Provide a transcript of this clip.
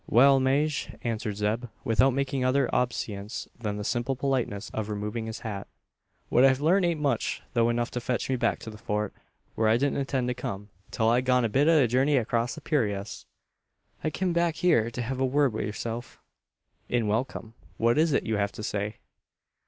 "Wal, Maje," answered Zeb, without making other obeisance than the simple politeness of removing his hat; "what I've larnt aint much, tho' enough to fetch me back to the Fort; where I didn't intend to come, till I'd gone a bit o' a jurney acrosst the purayras. I kim back hyur to hev a word wi' yurself." "In welcome. What is it you have to say?"